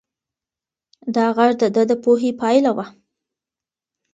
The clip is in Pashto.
دا غږ د ده د پوهې پایله وه.